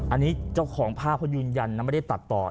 อันนี้ฉันป่ายชิ้นภาพยืนยันนะไม่ได้ตัดต่อ